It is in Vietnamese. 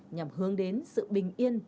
nhằm hướng đến sự bình yên